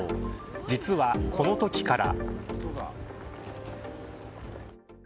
実はこのときから。